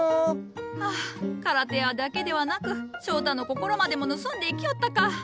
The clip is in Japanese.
ハァカラテアだけではなく翔太の心までも盗んでいきおったか。